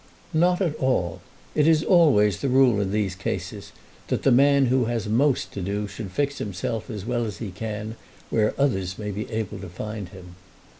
"Not at all. It is always the rule in these cases that the man who has most to do should fix himself as well as he can where others may be able to find him."